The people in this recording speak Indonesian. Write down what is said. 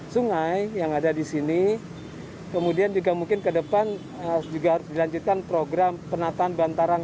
sungai yang ada di sini kemudian juga mungkin ke depan harus juga harus dilanjutkan program penataan bantaran